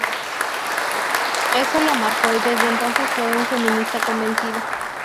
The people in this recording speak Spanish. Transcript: Eso lo marcó y desde entonces fue un feminista convencido.